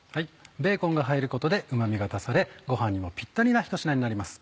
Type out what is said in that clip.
ベーコンが入ることでうま味が足されご飯にもぴったりなひと品になります。